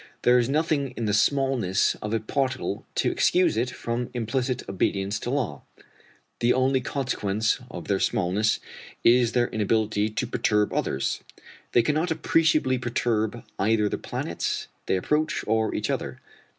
There is nothing in the smallness of a particle to excuse it from implicit obedience to law. The only consequence of their smallness is their inability to perturb others. They cannot appreciably perturb either the planets they approach or each other.